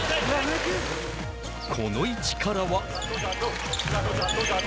この位置からは。